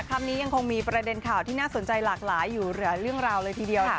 คำนี้ยังคงมีประเด็นข่าวที่น่าสนใจหลากหลายอยู่หลายเรื่องราวเลยทีเดียว